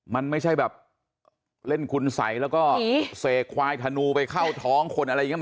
มันไม่ใช่แบบเล่นคุณสัยแล้วก็เสกควายธนูไปเข้าท้องคนอะไรอย่างนี้